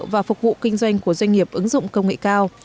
và phục vụ kinh doanh của doanh nghiệp ứng dụng công nghệ cao